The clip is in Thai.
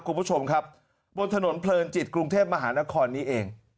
คุณผู้ชมครับบนถนนเพลินจิตกรุงเทพมหานครนี้เอง